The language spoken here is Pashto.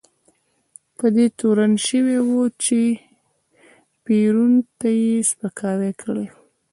په دې تورن شوی و چې پېرون ته یې سپکاوی کړی.